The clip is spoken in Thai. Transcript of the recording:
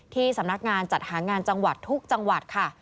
ที่สำนักงานจัดหางานจังหวัดทุกจังหวัดค่ะ